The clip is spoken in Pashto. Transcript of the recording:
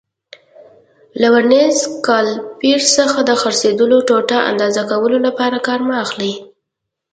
له ورنیز کالیپر څخه د څرخېدلو ټوټو اندازه کولو لپاره کار مه اخلئ.